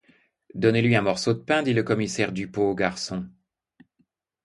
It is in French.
Donnez-lui un morceau de pain, dit le commissaire Dupot au garçon.